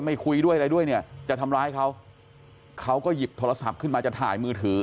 คุยด้วยอะไรด้วยเนี่ยจะทำร้ายเขาเขาก็หยิบโทรศัพท์ขึ้นมาจะถ่ายมือถือ